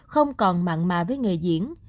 không còn mạng mà với nghề diễn